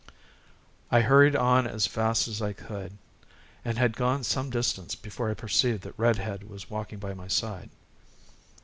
I hurried on as fast as I could, and had gone some distance before I perceived that "Red Head" was walking by my side.